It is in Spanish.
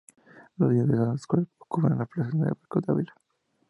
Los niños en edad escolar acuden a clase en El Barco de Ávila.